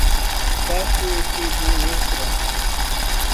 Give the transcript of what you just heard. Dá que te dou outra!